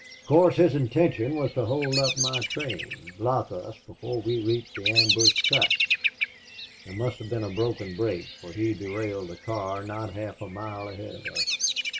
Of course his intention was to hold up my train block us before we reached the ambushed cut. There must have been a broken brake, for he derailed the car not half a mile ahead of us.